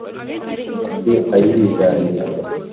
Si ay' ibiganiro,